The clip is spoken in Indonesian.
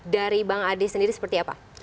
dari bang ade sendiri seperti apa